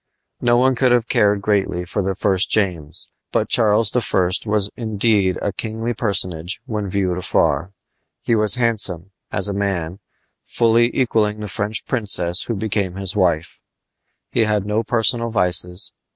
No one could have cared greatly for the first James, but Charles I. was indeed a kingly personage when viewed afar. He was handsome, as a man, fully equaling the French princess who became his wife. He had no personal vices.